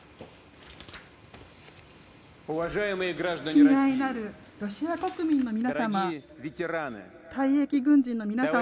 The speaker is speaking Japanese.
親愛なるロシア国民の皆様